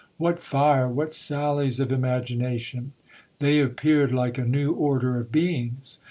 What fire ! what sallies of imagination ! They appeared like a new order of beings.